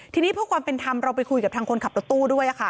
ทีนี้เพื่อความเป็นธรรมเราไปคุยกับทางคนขับรถตู้ด้วย